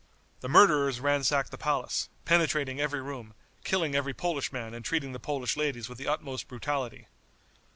The murderers ransacked the palace, penetrating every room, killing every Polish man and treating the Polish ladies with the utmost brutality.